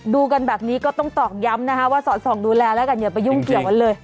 ดูกันแบบนี้ก็ต้องต้องยั้มนะครับโรคสอนสองดูแลอย่าไปยุ่งเกี่ยว